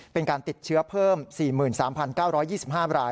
เป็นการติดเชื้อเพิ่ม๔๓๙๒๕ราย